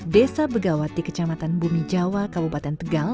desa begawati kecamatan bumi jawa kabupaten tegal